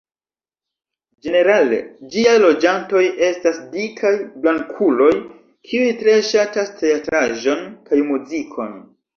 Ĝenerale, ĝiaj loĝantoj estas dikaj blankuloj kiuj tre ŝatas teatraĵon kaj muzikon.